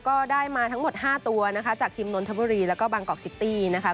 ก็ได้มาทั้งหมด๕ตัวนะคะจากทีมนนทบุรีแล้วก็บางกอกซิตี้นะคะ